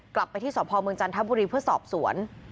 กลับไปที่สพเมืองจันทบุรีเพื่อสอบสวน